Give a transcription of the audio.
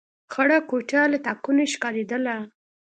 خړه کوټه له تاکونو ښکارېدله.